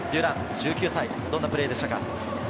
１９歳、どんなプレーでしたか？